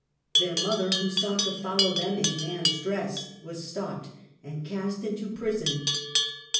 Their mother, who sought to follow them in man's dress, was stopped and cast into prison.